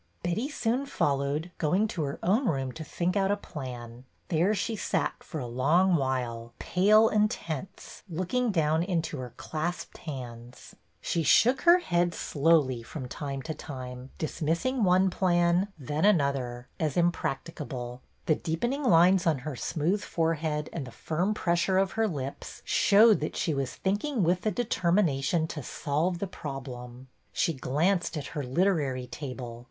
Betty soon followed, going to her own room to think out a plan. There she sat for a long while, pale and tense, looking down into her clasped hands. She shook her head slowly, from time 1/2 BETTY BAIRD'S VENTURES to time, dismissing one plan, then another, as impracticable. The deepening lines on her smooth forehead and the firm pressure of her lips showed that she was thinking with the determination to solve the problem. She glanced at her literary table."